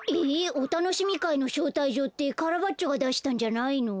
おたのしみかいのしょうたいじょうってカラバッチョがだしたんじゃないの？